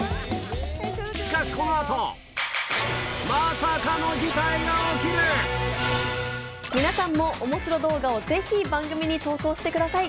しかし皆さんもおもしろ動画をぜひ番組に投稿してください。